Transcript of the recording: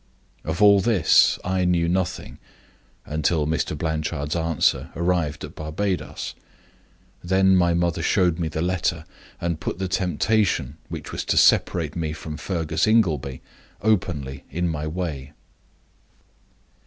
Of all this I knew nothing until Mr. Blanchard's answer arrived at Barbadoes. Then my mother showed me the letter, and put the temptation which was to separate me from Fergus Ingleby openly in my way.